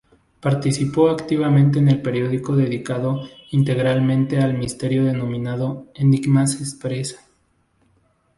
Participó activamente en el periódico dedicado íntegramente al misterio denominado "Enigmas Express".